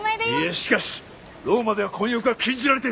しかしローマでは混浴は禁じられている！